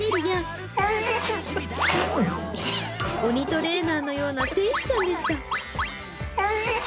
鬼トレーナーのような天使ちゃんでした。